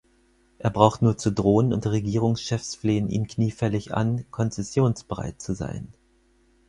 Er braucht nur zu drohen, und Regierungschefs flehen ihn kniefällig an, konzessionsbereit zu sein.